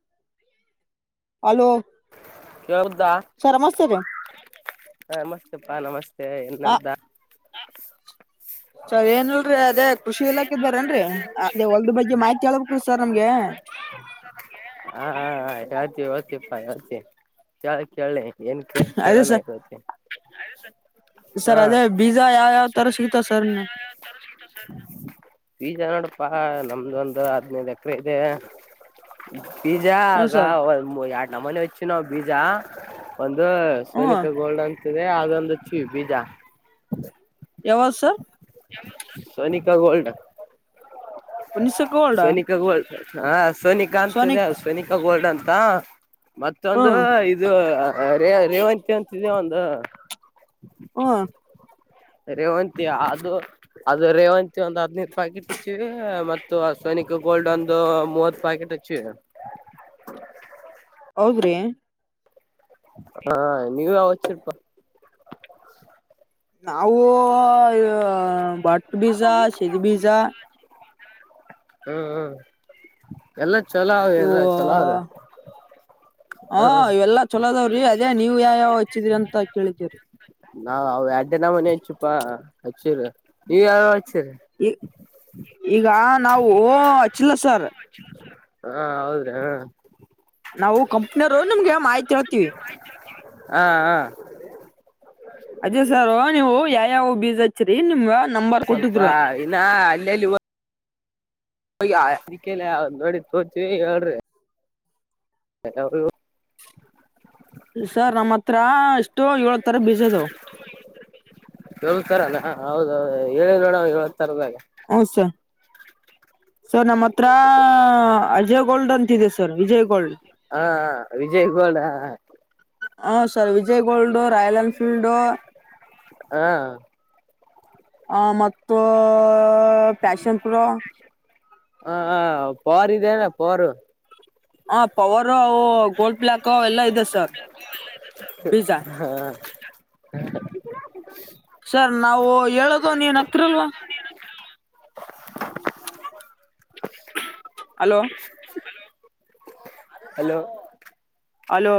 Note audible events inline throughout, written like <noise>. <inaudible> Hello ಕೇಳ್ದ sir ನಮಸ್ತೆ ರೀ ಹ ನಮಸ್ತೆಪ್ಪಾ ನಮಸ್ತೆ ಹ ನಡ್ದಾ. ಸರ್ ಏನ್ಲ್ರರಿ ಅದೇ ಕೃಷಿ ಇಲಾಖೆ ಇದ ಬರೇನ್ರರಿ ಅದೇ ಒಲ್ದ ಬಗ್ಗೆ ಮಾಹಿತಿ ಹೇಳ್ಬೇಕ್ರೀ ಸರ್ ನಮ್ಗೆ. <unintelligible> ಹಾ ಯತ ಓತ್ತೆಪ್ಪಾಯಚ ಚಾ ಕೇಳಿ ಏನ್ ಕತಿ ಅದೇ ಸರ್ ಕೇಳೋಣತ್ತ <unintelligible> ಆಯ ಸರ್ <unintelligible> ಸರ್ ಅದೇ ಬೀಜ ಯಾವ ಯಾವ್ ತರ ಸಿಗ್ತ <unintelligible> ಬೀಜ ನೋಡ್ ಅಪ್ಪಾ ನಮ್ದ ಒಂದು ಹದ್ನೈದು ಎಕರೆ ಇದೆ ಬೀಜಾ ಹ ಆಗ ಸರ್ ಒ ಎರಡು ನ ಮನೆ ಹಚ್ಚ ನಾವು ಬೀಜಾ ಒಂದ ಅದು ಹ್ಮ ಸನಿಕ ಗೋಲ್ಡ್ ಅಂತಿದೆ ಅದೊಂದು ಚೂ ಬೀಜ ಯಾವರು ಸರ್ ಸನಿಕಾ ಗೋಲ್ಡ್ <unintelligible> ಹಾ ಸೋನಿಕಾ ಅಂತದೆ ಸೋನಿಕ್ ಅ ಸ್ವೋನಿಕಾ ಗೋಲ್ಡ್ ಅಂತ ಮತ್ತೊಂದು ಹ್ಮ್ ಇದು ಅ ರೇ ರೇವಂತಿ ಅಂತಿದೆೇ ಒಂದು ಹ್ಮ ರೇವಂತಿ ಅದು ಅದು ರೇವಂತಿ ಒಂದು ಹದಿನೈದು ಪ್ಯಾಕೆಟ್ ಹಚ್ಚಿ ಮತ್ತು ಸೋನಿ ಗೋಲ್ಡನ್ ಮೂವತ್ತು ಪ್ಯಾಕೆಟ್ ಅಚ್ಚಿ ಹೌದ್ರಿ ಹ ನೀವ ವಚಿಪ್ಪ ನಾವು ಬಟ್ ಬೀಜ ಸದಿ ಬೀಜ ಹ್ಮ್ ಹ್ ಎಲ್ಲ ಚಲ ಅವ ಎ ಚಲ ಅವ್ರೆ ಹಾ ಇವೆಲ್ಲಾ ಚಲೋದಾವ್ರಿ ಅದೇ ನೀವ್ ಯಾವ ಯಾವ ಹಚ್ಚಿದ್ರಿ ಅಂತ ಕೇಳಿದವ್ರಿ ಹ ಎರಡ್ಡಿನ ಮನ ಹಚ್ಚುಪಾ ಹಚ್ಚಿ ಈ ಈಗ ನಾವು ಅಚ್ಚಿಲ್ಲ ಸರ್ ಹಾ ಹೌದ್ರಿ ಹ ನಾವು ಕಂಪ್ನಿಯರು ನಿಮ್ಗೆ ಮಾಹಿತಿ ಹೇಳ್ತೀವಿ ಹಾ ಹ ಅದೇ ಸಾರ ನೀವು ಯಾವ್ಯಾವ ಬೀಜ ಹಚ್ಚ್ರರಿ ನಿಮ್ಗ ನಂಬರ್ ಸ್ವಲ್ಪ ಕೊಟ್ಟಿದ್ರು ಇನ್ನ ಹಳ್ಳಿಯಲ್ಲಿ ಹ ಅದಕ್ಕೆಲ್ಲ ಒಂದ್ ಜೋಡಿತೋರ್ಸಿ ಹೇಳ್ರಿ ಎ <unintelligible> ಎಷ್ಟೋ ಏಳ ತರ ಬೀಸೋದು <inaudible> ಹೇಳ್ತಾರಲ್ಲ ಹೌದೌದು ಹೇಳಿದ್ ಹೇಳ್ತಾರೆದೆ ಹಂಗೆ ಹೌದ್ ಸರ್ ಸರ್ ನಮ್ಮ ಹತ್ರ ಅಜಯ್ ಗೋಲ್ಡ್ ಅಂತಿದೆ ಸರ್ ವಿಜಯ್ ಗೋಲ್ಡ್. ಹಾ ವಿಜಯ್ ಗೋಲ್ಡ ಹಾ sir Vijay gold royal Enfield ಹಾ ಆ ಮತ್ತು ಪ್ಯಾಷನ್ ಪ್ರೋ ಪರ್ದೆನಾ ಪರು ಹ ಪವನ್ ಗೋಲ್ಡ್ ಪಿಲಾಕ್ ಎಲ್ಲಾ ಇದೆ ಸರ್ ಪಜಾ ಹ್ಮ ಸರ್ ನಾವು ಹೇಳದು ನೀನ್ ಹತ್ರರಲ್ವಾ <inaudible> ಹಲೋ ಹಲೋ ಹಲೋ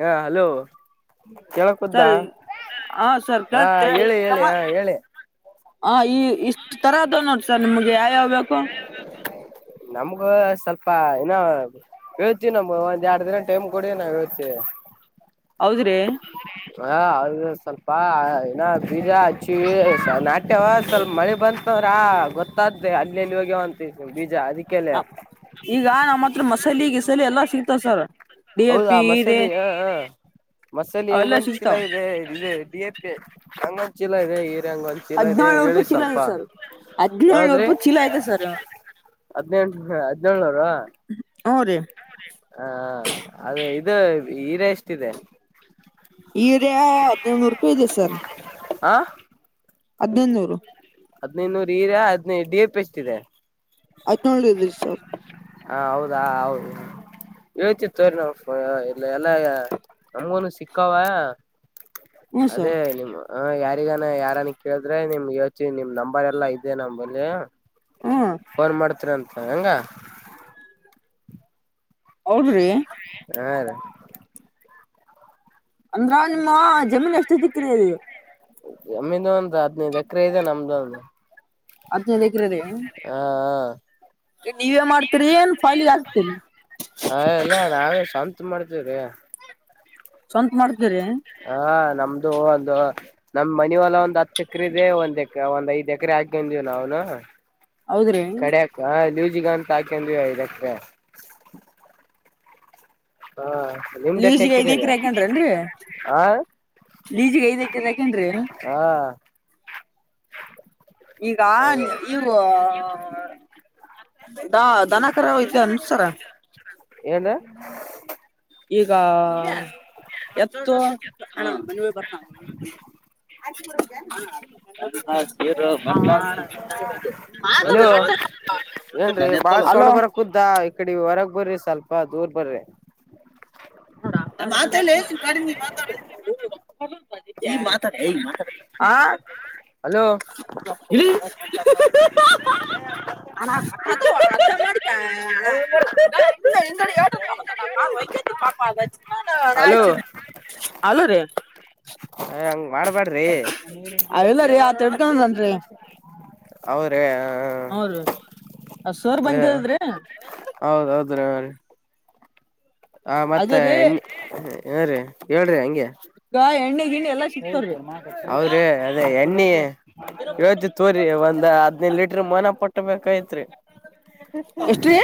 ಹಾ ಹಲೋ ಸರ್ ಕೇಳಕ್ದ್ದಾ ಹಾ ಸರ್ ಹಾ ಹೇಳಿ ಹೇಳಿ ಹ ಹೇಳಿ ಹ ಈ ಇಷ್ಟ್ ತರ ಅದ ನೋಡಿ ಸರ್ ನಿಮಗೆ ಯಾವ್ಯಾವ್ ಬು ನ ಸ್ವಲ್ಪ ಇನ್ನ ಹೇಳ್ತಿವಿ ನಮ ಒಂದ್ ಎರಡ್ ದಿನ ಟೈಮ್ ಕೊಡಿ ನಾವ್ ಹೇಳ್ತಿವಿ ಹೌದ್ರಿ ಹ ಅ ಸ್ವಲ್ಪ ಏನ ಬೀಜ ಹಚ್ಚಿ ನಾಟ್ಯವ ಸ್ವಲ್ಪ ಮಳೆ ಬಂತ ರ ಗೊತ್ತಾದ್ದೆ ಅಲ್ಲಿಲ್ಲಿ ಹೋಗ್ಯವಂತ ಬಿಜ ಈಗ ನಮ್ಮ ಹತ್ರ ಮಸಾಲ ಗಿಸಲಿ ಎಲ್ಲಾ ಸಿಗ್ತಾವ ಸರ್ ಡಿ ಎ ಹೌದಾ ಪಿ ಹೀರೆ ಮಸಾಲೆ ಹ ಹಾ ಮಸಾಲೆ ಅವೆಲ್ಲ ಹೆಂಗೊಂದ್ ಚೀಲ ಸಿಗ್ತಾವ್ ಇದೆ ಇದೆ ಡಿ ಎ ಪಿ ಹಂಗೊಂದ್ ಚೀಲ ಇದೆ ಹಂಗ ಒಂದ ಚೀಲ ಇದೆ ಹದಿನೇಳ್ನೂರು ಹೇಳಿ ರೂಪಾಯಿ ಚೀಲ ಸ್ವಲ್ಪ ಇದೆ ಸರ್ ಹದಿನೇಳ್ನೂರು ಯಾವದ್ರಿ ರೂಪಾಯಿ ಚೀಲ ಇದೆ ಸರ್ ಹದಿನೆಂಟು ಹದಿನೇಳನವರು ಹ್ಞೂ ರೀ ಹ ಇದು ಹೀರ ಎಷ್ಟಿದೆ ಹೀರಯ ಹದ್ನೈದುನೂರು ರೂಪಾಯಿ ಇದೆ ಸರ್ ಆ ಹದಿನೈನೂರು ಹದ್ನೈದುನೂರು ಹೀರಾ ಹದ್ನೈದು ಡಿ ಎ ಪಿ ಎಷ್ಟ ಇದೆ ಹದಿನಳ್ ಇದರಿ ಸರ್ ಹ ಹೌದಾ ಹೌದು ಹಚಿ ತೋರಿ ನ ಇಲ್ಲ ಎಲ್ಲ ನಮ್ಗೊನು ಸಿಕ್ಕಾವ ಹ್ಞೂ ಅದೇ ಸರ್ ನಿಮ್ಮ ಹ ಯಾರಿಗಾನ ಯಾರನ್ ಕೇಳಿದ್ರೆ ನಿಮ್ಗೆ ಯೋಚಿ ನಿಮ್ ನಂಬರ್ ಎಲ್ಲಾ ಇದದೆ ನಮಂಬಲ್ಲಿ ಹ್ಞೂ ಫೋನ್ ಮಾಡ್ತೀನ ಅಂತ ಹೆಂಗ ಅವಳ್ರಿ ಹಾ ರ ಅಂದ್ರ ನಿಮ್ಮ ಜಮೀನ್ ಎಷ್ಟು ಎಕ್ಕರಿಲ್ಲಿ ನಮಮ್ಮ್ದ ಒಂದ ಹದ್ನೈದು ಎಕರೆ ಇದೆ ನಮ್ದು ಒಂದ ಅದುಲ್ಲಿಗದ ನೀವವೆ ಮಾರತರಿಏನ್ಫಯಲಿ ಆತನ ಇ ಮಾಡ್ತೇವ್ರ ಸ್ವಂತ ಮಾಡ್ತೀರಿ ಹಾ ನಮ್ದು ಒಂದು ನಮ್ ಮನ ಎಲ್ಲ ಒಂದ್ ಹತ್ತು ಎಕರೆದೆ ಒಂದ್ ಎ ಒಂದ್ ಐದ್ ಎಕರೆ ಗಜ ನವು ನ ಹೌದ್ರಿ ಕಡ್ಯಾಕ ಲೂಜಿಗ ಅಂತ ಹಾಕೊಂಡ್ವಿ ಇದಕ್ಕೆ ಹಾ ಎಟ್ ಎಕರೆ ಲೂಸ್ಗೆಐಗಕ್ರ ಇದೆ ಹಾಕನ್ನ್ರರಿ ಹಾ ಲಜಗೈದಾಕ ಯಾಕನ್ ಹಾ ಈಗ ಹೌದು ಇವು ದಾ ದನ ರ ಯತ ಅನ್ಸಾರ ಹ್ಮ್ <inaudible> ಈಗ ಎತ್ತು ಹ ಮ ಬರ್ತ ೀರು ಬ <unintelligible> ಅಲೋ ಏನ್ರೀ ಬಾಳ ಸೋಣ ಹಲೋ ಬರಕುದ್ದಾ ಇ ಕಡೆ ಹೊರಗ್ ಬರ್ರಿ ಸ್ವಲ್ಪ ದೂರ್ ಬರ್ರಿ ಮಾತತ <unintelligible> ಮಾತ ಆ ಹಲೋ ಇಲ್ಲಿ <unintelligible> <inaudible> ಆ ಕಟ್ಟ ಮಾಡ ಆಟ ಕಾಮ <unintelligible> ಹಲೋ ಅಲೋ ರೀ ಯ ಹಂಗ ಮಾಡ್ಬ್ಯಾಡ್ರಿ ಅ ಇಲ್ಲ ರೀ ಆತ್ ಹಿಡ್ಕೊಂಡನ್ರಿ ರಿ <unintelligible> ಹೌದ ಅ ಸೋರ್ ಬಂದಿದದ್ರಿ ಅ್ರ ಹ ಮತ್ತ ಅದೇ ರೀ ಎಣ್ಣ ಏೀ ಹೇಳ್ರಿ ಹಂಗಗೆ ಈಗ ಎಣ್ಣೆ ಗಿಣ್ಣೆ ಎಲ್ಲಾ ಸಿಕ್ತಾವ್ರಿ ಹೌದ್ರೀ ಅದೇ ಎಣ್ಣಿ ಹೇತಿ ತೋರಿ ಒಂದ್ ಹದ್ನೈದು ಲೀಟ್ರ ಮನ ಪಟ್ಟಬೇಕೈತ್ರಿ ಎಷ್ಟ್ರೀ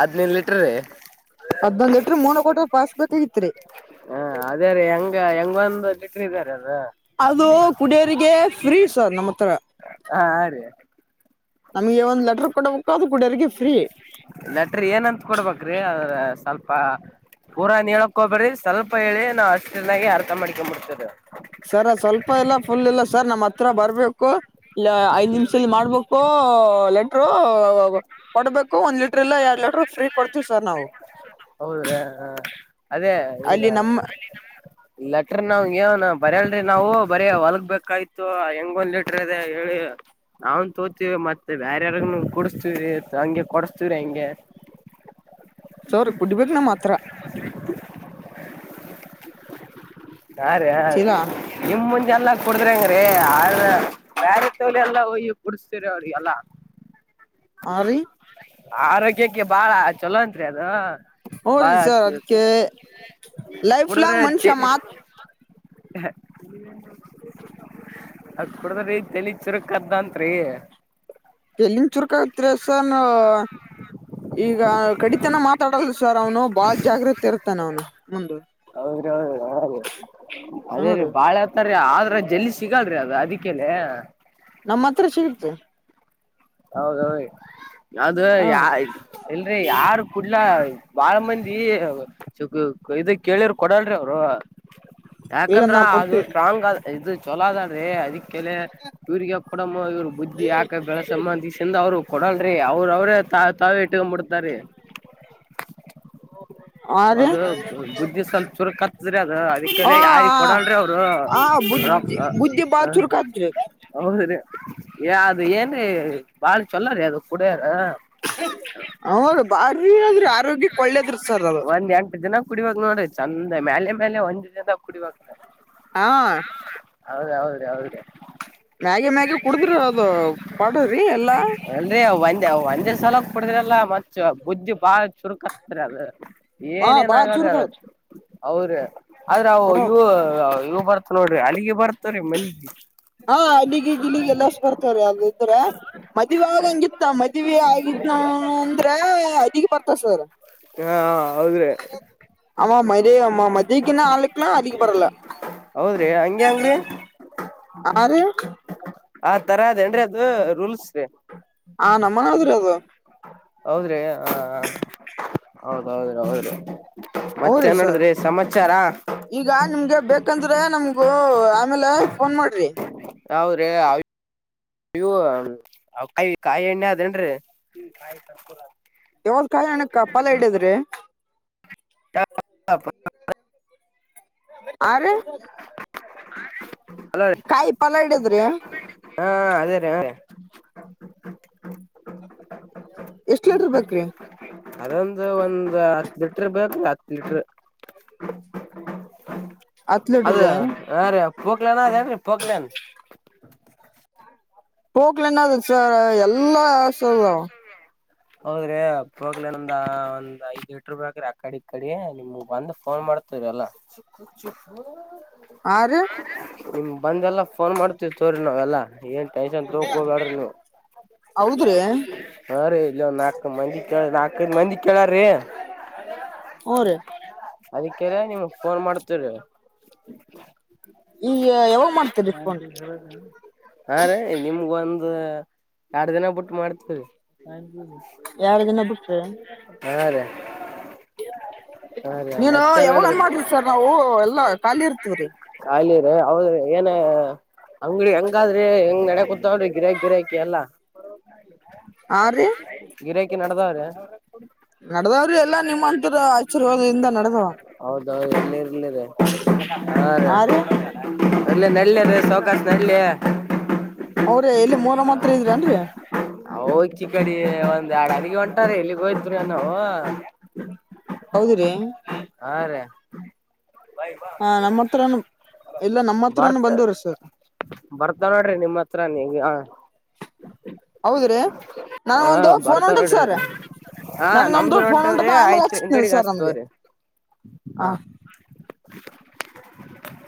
ಹದ್ನೈದು ಲೀಟ್ರೀ ಹದ್ೊಂದ್ ಲಲೆಟ್ರರ್ ಮೋನ ಕೊಟ್ರ ಪಾಸ್ಕ್ಗತ್ರಿ ಹಾ ಅದೇ ರೀ ಹೆಂಗ ಹೆಂಗೊಂದು್ ಚಟ್ರ ಅದು ಕುಡಿಯೋರಿಗೆ ಫ್ರೀ ಸರ್ ನಮ್ಮ ಹತ್ರ ಹಾ ಅ ರೀ ನಮ್ಗೆ ಒಂದು ಲೆಟರ್ ಕೊಡಬೇಕು ಅದು. ಕುಡಿಯೋರಿಗೆ ಫ್ರೀ ನಟ್ರಿ ಏನಂತ ಕೊಡ್ಬೇಕ್ರಿ ಅದ ಸ್ವಲ್ಪ ಪೂರಾ ನೀಳಕ್ ಹಬ್ರಿ ಸ್ವಲ್ಪ ಹೇಳಿ ನಾವು ಅಷ್ಟ ಚೆನ್ನಾಗಿ ಅರ್ಥ ಮಾಡ್ಿಕೊ ಮುಡ್ತೇವ ಸರ್ ಅದ್ ಸ್ವಲ್ಪ ಇಲ್ಲ ಫುಲ್ ಇಲ್ಲ ಸರ್ ನಮ್ಮ್ ಹತ್ರ ಬರ್ಬೇಕು ಇಲ್ಲ ಐದ್ ನಿಮಿಷದಲ್ಲಿ ಮಾಡ್ಬೇಕು ಲೆಟರು ಕೊಡ್ಬೇಕು ಒಂದ್ ಲೀಟರ್ ಎಲ್ಲ ಯ ಲೆಟ್ರು ಫ್ರೀ ಕೊಡ್ತೀವಿ ಸರ್ ನಾವು ಹೌದ್ರಾ ಹ ಅದೇ ಹಿಂಗ ಅಲ್ಲಿ ನಮ್ಮ ಲೆಟರ್ ನಾವವನ ಬರಿ ಅಲ್ರಿ ನಾವು ಬರೀ ಹೊಲಗ್ಬೇಕಾಯ್ತು ಹೆಂಗ ಒಂದ್ ಲೀಟ್ರ ಅದ ಹೇಳಿ ನಾವನ್ ತೋತಿವಿ ಮತ್ತೆ ಬೇಾರ ಯಾರ ಕುಡಸ್ತೀವ್ರಿ ಹಂಗೆ ಕೊಡಸ್ತೀವ್ರಿ ಹಂಗೆ ಸೌರಿ ಕುಡ್ಬೇಕೇ ನಮ್ಮ ಮಾತ್ರ ಹಾ ರೀ ಹ ಚೀಲಾ ನಿಮ ಮುಂಜೆಲ್ಲ ಕುಡದ್ರಿ ಅಂಗ್ರೀ ಆದ ಬ್ಯ ಎಲ್ಲ ಒಯ್ಯಿ ಕುಡಿಸತರ ಅವ್ರಿಗೆಲ್ಲ ಆ ರಿ ಆರೋಗ್ಯಕ್ಕೆ ಬಾಳ ಚಲೋ ಅಂತ್ರಿ ಅದು ಬಾಯ ಹ್ರೀ ಸರ್ ಆತ ಅದಕ್ಕೆ ಲೈಫ್ ಲಾಂಗ್ ಮನುಷ್ಯ ಕುಡಿದ್ರೆತಿ ಮಾತ್ ಅದ ಕುಡದ್ರಿ ತಾಲಿ ಚಿರಕ್ದಂತ್ರಿ <unintelligible> ಚುರ್ಕತಾಸನ್. ಈಗ ಕಡಿತನ ಮಾತಾಡಲ್ ಸರ್ ಅವ್ನು ಬಾಳ್ ಜಾಗೃತೆ ಇರ್ತಾನೆ ಅವನು ಮುಂದ. ಹೌದ ಹೌದು ಹೌ ಅದೇ ರೀ ಬಾಳ ಇರ್ತಾರೆ. ಆದ್ರ ಜಲ್ಲಿ ಸಿಗಲ್ರರಿ ಅದು ಅದಕ್ಕೆ. ನಮ್ಮ ಹತ್ರ ಸಿಗುತ್ತೆ. ಹೌದೌ ಅದು ಹಾ ಯ ಇಲ್ರಿ ಯಾರು. ಕುಡ್ಲಾ ಬಾಳ ಮಂದಿ ಇದ ಕೇಳಿ್ರ ಕೊಡಲ್ರಿ ಅವರು. ಇಲ್ಲ ಯಾಕಂದ್ರ ನಾ ಅದು ಕೊಡ್ತೀವಿ ಸ್ಟ್ರಾಂಗ್ ಇದು ಚಲೋ ಅದೀ ಅದಕ್ಕೆ ಇವರಿಗೆ ಕೊಡಮ್ಮ ಇವರು ಬುದ್ಧಿ ಯಾಕ ಬೆಳ. ಈಸಿಂದ ಅವರು ಕೊಡಲ್ರರಿ ಅವ್ರ ಅವ್ರೇ ತಾವೇ ಇಟ್ಕೊಂಡ್ಬಿಡ್ತಾರೀ. ಹ <inaudible> ಅದು ಬುದ್ಧಿ ಸ್ವಲ್ಪ ಚುರುಕ ಹತ್ತದ್ರಿ ಅದು ಅದಕ್ಕೆ ಯಾರಿ ಕೊಡಲ್ ರಿ ಅವ್ರು. ಬುದಿ ಬುದ್ಧಿ ಚುರುಕು ಆದ್ರ ಹೌದ್ರೀ ಅದ ಏನ್ ಬಾಳ ಚೊಲ ರೀ ಅದು ಕುಡಿ ಹದು ಬಾರಿನಾದ್ರ ಆರೋಗ್ಯಕ್ಕೆ ಒಳ್ಳೇದ್ರ ಸರ್ ಅದು ಕುಡಿಬಬೇಕ ನೋಡ್ರಿ ಚಂದ ಮೇಲೆ ಮೇಲೆ ಒಂದ ದದ ಕುಡಿಬೇಕ ಹಾ ಹೌದ ಹೌದ ಹೌದ್ರಿ ಮ್ಯಾಗಿ ಮ್ಯಾಗೀ ಕುಡಿದ್ರು ಅದು ಪಾಡ್ರಿ ಎಲ್ಲಾ ಅಲ್ರಿ ಅವ ಒಂದೆ ಅವ ಒಂದ ಬ ಸಲೋಕ್ ಪಡದ್ರಲ್ಲ ಮ ಬುದ್ದಿ ಬಾಳ ಚುರುಕತ್ ಅದು ಹಾ ಏನ್ ಏನ್ ಬಾಳ ಆಗಾದ್ರಿ ಚುರ್ಕ ಅಗ ಅವ್ರ ಆದ್ರ ಹ್ಮ ಇವು ಇವು ಬರ್ತ ನೋಡ್ರಿ ಅಲ್ಲಿಗೆ ಬರ್ತವ್ರೀ ಮನೆಗೆ ಹಾ ಇಲ್ಲಿಗ್ ಇಲ್ಲಿಗೆ ಎಲ್ಲಷ್ಟು ಬರ್ತಾರ ಅದು ಇದ್ರೆ ಮದ್ವೆೆ ಆ ಹಂಗಿತ್ತ ಮದ್ವೆ ಆಗಿದ್ ಅಂದ್ರೆ ಅದಗ್ ಬರ್ತಾವ ಸರ್ ಹಾ ಹೌದ್ರಿ ಆ ಮದ ಆ ಮದಕ್ಕೆನ್ನ ಆಕಲ್ಲ ಅಕ್ಕೆ ಬರಲ್ಲ ರಿ ಹಂಗಗೆಂಗ್ರೀ ಆ ರೀ ಆ ತರ ಅದೇನ್ರಿ ಅದು ರೂಲ್ಸ್ ರೀ ಹ ನಮ್ಮನ್ರ ಅದು ಹೌದ್ರಿ <inaudible> ಹೌದೌದು ಹೌದು ಹೂ ಮತ್ತೆ ರೀ ಸರ್ ನೋಡಿದ್ರಿ ಸಮಾಚಾರ ಈಗ ನಿಮ್ಗೆ ಬೇಕಂದ್ರೆ ನಮ್ಗೂ ಆಮೇಲೆ ಫೋನ್ ಮಾಡ್ರಿ ಹೌರೇ ಅವ ನೀವು ಕಾಯ ಕಾಯಿ ಎಣ್ಣೆ ಆದೇನ್ರಿ ಯಾವಲ್ ಕಾಯಾಣಕ್ಕ ಫಲ ಹಿಡಿದ್ರಿ ಹ ಅರೆ ಹಲೋ ರೀ ಹಿಡಿದ್ರಿ ಹಾ ಅದೇ ರೀ ರ ಎಷ್ಟ ಲೀಟರ್ ಬೇಕ್ರಿ ಅದೊಂದು ಒಂದ್ ಹತ್ ಲಿಟ್ರ ಬೇಕೇಕ ಹತ್ ಲಿಟ್ರ ಹತ್ ಅದ ಲೀಟರ್ ರೀ ವಾರ ಪಕಲಾನ ಅ ಯಿ ಪಕಲನ್ ಟೋಕ್ಲೆನ ಸರ್ ಎಲ್ಲಾ ಹೌದ್ರಿ ಹೋಗ್ಲ ನಮಂದ ಒಂದ್ ಐದ್ ಎಟರು ಬ್ರಿ ಆಕಡಿ ಇ ಕಡಿ ನಿಮ್ಗ್ ಬಂದ್ ಫೋನ್ ಮಾಡ್ತೇವೆ ಅಲ್ಲ ಚಿ ಚಿ ಅರೆ ನಿಮ್ ಬಂದೆಲ್ಲ ಫೋನ್ ಮಾಡ್ತೀವಿ ಸೋರಿ ನಾವೆಲ್ಲಾ ಏನ್ ಟೈ ಹೋಗಾಡ ಹೌದ್ರಿ ಹ ರೀ ಇಲ್ಲ ಒಂದ ನಾಕ ಮಂದಿಳ ನಾಕೈದು ಮಂದಿ ಕೇಳಾರ್ರೀ ಹು ರಿ ಅದಕ್ಕೆರ ನಿಮ್ ಫೋನ್ ಮಾಡ್ತೀರ ಈಗ ಯಾವಾಗ ಮಾಡ್ತೀರಿ ಫೋನ್ ಹಾ ರೆ ಒಂದ ಎರಡು ದಿನ ಬಿಟ್ಟು ಮಾಡ್ತೀರಿ ಹ್ಮ ಎರಡ್ ದಿನ ಬಿಟ್ರಿ ಹಾ ರೀ ಹಾ ರೀ <inaudible> ನೀನು ಮತ್ತೇನ್ ಯಾವಾಗನ್ ನಡದ್ರಿ ಮಾಡ್ರಿ ಸರ್ ನಾವು ಎಲ್ಲ ಖಾಲಿ ಇರ್ತೀವ್ರಿ ಅಲ್ಲಿ ರ ಹೌದ ಏನ ಅಂಗಡಿ ಹೆಂಗಾದ್ರಿ ಹೆಂಗ್ ನಡೆ ಕುೂತಾವ್ರಿ ಗಿರ್ಯಾಕ ಗಿರಾಕಿ ಎಲ್ಲ <inaudible> ಆ ರೀ <inaudible> ಗಿರಕಿ ನಡದಾವ್ರೆ ನಡದಾವ್ರಿ ಎಲ್ಲಾ ನಿಮ್ಮಂತರ ಆಶೀರ್ವಾದದಿಂದ ನಡದಾವ ಹೌದೌ ಎ ನೀರ್ಲ್ಲದೆ ಆ ಅಲ್ಲ ನಳ್ಳಿ ಅ ರ ಸೌಕಾಸ ಹಳ್ಳಿ ಅವ್ರ ಎಲ್ಲಿ ಮೂರ ಮಾತ್ರ ಇದ್ರನ್ರಿ ಹ ಚಿ ಕಡೆ ಒಂದ್ ಎರಡ ಅನಗೆ ಹೊಂಟಾರೆ ಎಲ್ಲಿಗ್ ಹೋಯ್ತ್ರು ನಾನ ಹೌದ್ರಿ ಹಾ ರೀ <inaudible> ಹ ನಮ್ಮ ಹತ್ರನು ಇಲ್ಲ ನಮ್ಮ ಹತ್ರನು ಭಾರತ್ ಬಂದವ್ರಿ ಸರ್ ಬರ್ತಾ ನೋಡ್ರಿ ನಿಮ್ಮ ಹತ್ರ ನೀಗ ಹ ಹೌದ್ರಿ ಹಾ ನನ್ಗೊಂದು ಫೋನ್ ಬರ್ತಾರ ಹೊಂಟದ ನೋಡ್ರ ಸರ್ ಹಾ ನನ್ಗೊಂದು ನಮ್ದು ಫೋನ್ ಹೊಂಟವ್ರಿ ಹೊಂಟದ ಆಮೇಲೆ ಆಯ್ತ್ ಹಚ್ತೇನಿ ಸರ್ ನಮ್ಗೆ ಅಂಗಡಿಗಾಸ್ತವ್ರಿ ಹ <inaudible>